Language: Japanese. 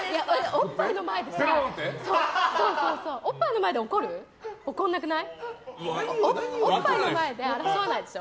おっぱいの前で争わないでしょ。